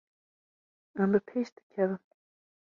Em bi pêş dikevin.